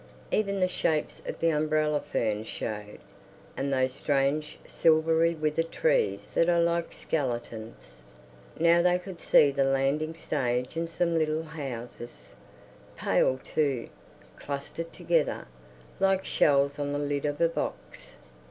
Even the shapes of the umbrella ferns showed, and those strange silvery withered trees that are like skeletons.... Now they could see the landing stage and some little houses, pale too, clustered together, like shells on the lid of a box.